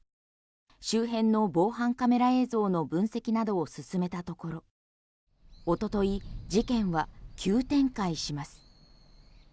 周辺の防犯カメラ映像の分析などを進めたところ一昨日、事件は急展開します。